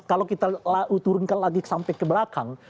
kalau kita turunkan lagi sampai ke belakang